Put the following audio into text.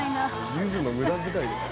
ゆずの無駄遣いだよ。